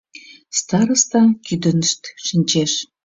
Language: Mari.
Староста кӱдынышт шинчеш.